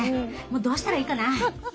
もうどうしたらいいかな？